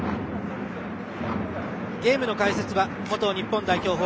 ゲームの解説は元日本代表